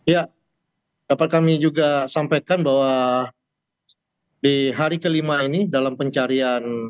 ya dapat kami juga sampaikan bahwa di hari kelima ini dalam pencarian